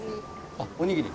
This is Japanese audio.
あっおにぎり。